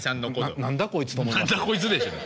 「何だ？こいつ」でしょうね。